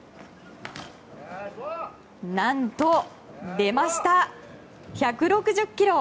何と出ました、１６０キロ！